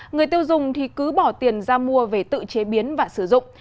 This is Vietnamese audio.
người tiêu dùng thì cứ bỏ tiền ra mua về tự chế biến và sử dụng